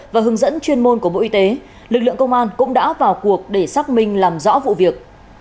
và hướng dẫn chuyên môn của bộ y tế lực lượng công an cũng đã vào cuộc để xác minh làm rõ vụ việc